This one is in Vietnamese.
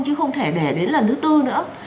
chứ không thể để đến lần thứ tư nữa